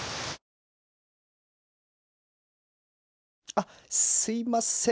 あっすいません。